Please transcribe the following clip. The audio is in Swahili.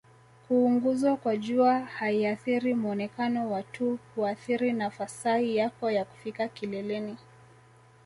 kuunguzwa kwa jua haiathiri muonekano wako tu huathiri nafasai yako ya kufika kileleni